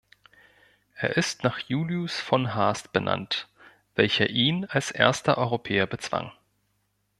Er ist nach Julius von Haast benannt, welcher ihn als erster Europäer bezwang.